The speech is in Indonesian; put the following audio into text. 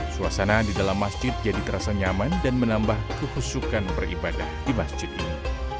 suasana di dalam masjid jadi terasa nyaman dan menambah kehusukan beribadah di masjid ini